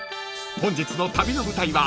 ［本日の旅の舞台は］